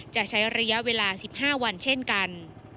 จะใช้ระยะเวลา๑๕วันเช่นกัน